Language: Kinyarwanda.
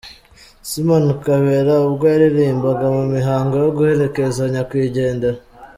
Simon Kabera ubwo yaririmbaga mu mihango yo guherekeza nyakwigendera.